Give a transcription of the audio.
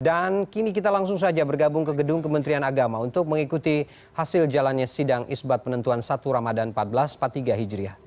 dan kini kita langsung saja bergabung ke gedung kementerian agama untuk mengikuti hasil jalannya sidang isbat penentuan satu ramadhan empat belas patiga hijriah